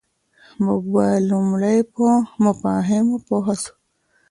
موږ بايد لومړی په مفاهيمو پوه سو.